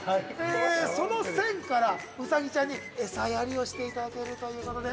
その線からウサギちゃんに餌やりをしていただけるという事で。